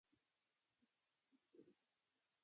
Se casó con Leticia Highgate y tenía una familia numerosa.